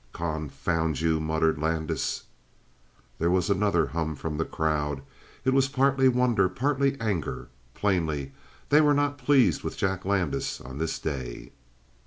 "Confound you!" muttered Landis. There was another hum from the crowd; it was partly wonder, partly anger. Plainly they were not pleased with Jack Landis on this day.